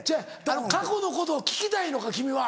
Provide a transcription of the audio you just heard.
過去のことを聞きたいのか君は。